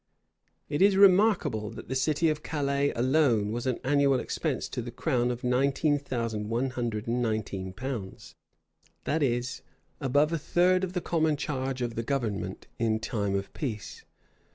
It is remarkable, that the city of Calais alone was an annual expense to the crown of nineteen thousand one hundred and nineteen pounds;[] that is, above a third of the common charge of the government in time of peace.